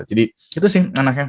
jadi itu sih anaknya